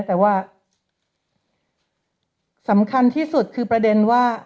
แต่ว่าสำคัญที่สุดคือประเด็นว่า